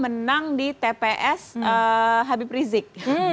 menang di tps habib rizik